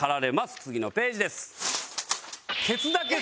次のページです。